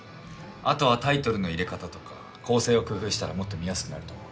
あとはタイトルの入れ方とか構成を工夫したらもっと見やすくなると思う。